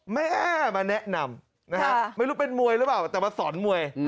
แม่มาแนะนำนะฮะไม่รู้เป็นมวยหรือเปล่าแต่มาสอนมวย